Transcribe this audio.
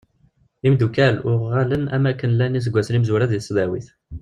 Imddukal uɣal am wakken llan iseggasen imezwura deg tesdawit.